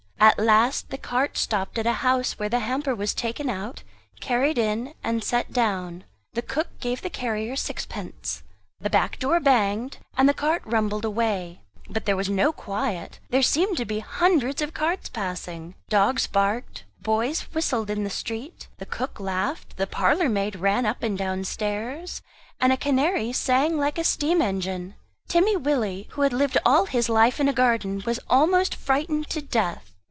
At last the cart stopped at a house, where the hamper was taken out, carried in, and set down. The cook gave the carrier sixpence; the back door banged, and the cart rumbled away. But there was no quiet; there seemed to be hundreds of carts passing. Dogs barked; boys whistled in the street; the cook laughed, the parlour maid ran up and down stairs; and a canary sang like a steam engine. Timmy Willie, who had lived all his life in a garden, was almost frightened to death.